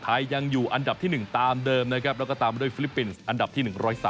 ยังอยู่อันดับที่๑ตามเดิมนะครับแล้วก็ตามด้วยฟิลิปปินส์อันดับที่๑๐๓